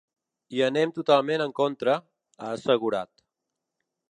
Hi anem totalment en contra, ha assegurat.